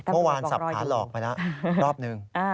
เมื่อวานสับผ่านหลอกไปแล้วรอบนึง